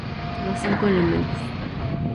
Los cinco elementos.